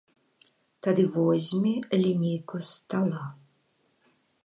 Тады возьме лінейку з стала.